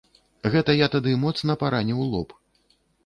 Гэта я тады моцна параніў лоб.